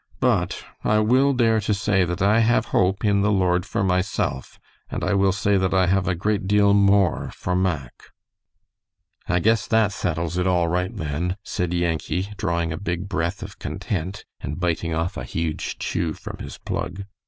But I will dare to say that I have hope in the Lord for myself, and I will say that I have a great deal more for Mack." "I guess that settles it all right, then," said Yankee, drawing a big breath of content and biting off a huge chew from his plug.